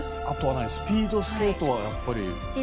あとはスピードスケートはやっぱり。